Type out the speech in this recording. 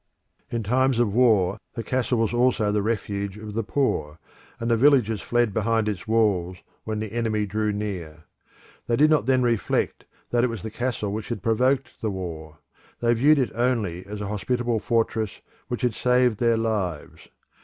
In times of war the castle was also the refuge of the poor, and the villagers fled behind its walls when the enemy drew near. They did not then reflect that it was the castle which had provoked the war; they viewed it only as a hospitable fortress which had saved their lives.